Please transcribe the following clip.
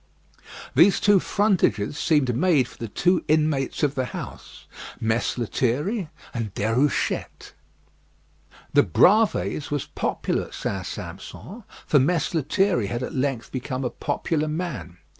These two frontages seemed made for the two inmates of the house Mess Lethierry and Déruchette. The "Bravées" was popular at St. Sampson, for Mess Lethierry had at length become a popular man.